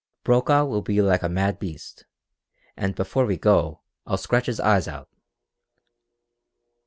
Brokaw will be like a mad beast, and before we go I'll scratch his eyes out!"